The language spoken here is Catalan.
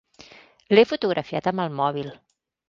L'he fotografiat amb el mòbil.